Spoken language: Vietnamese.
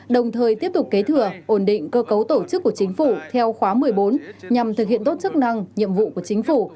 đồng thời tiếp tục kế thừa ổn định cơ cấu tổ chức của chính phủ theo khóa một mươi bốn nhằm thực hiện tốt chức năng nhiệm vụ của chính phủ